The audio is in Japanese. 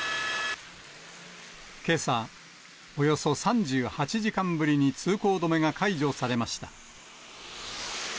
けさ、およそ３８時間ぶりに通行止めが解除されました。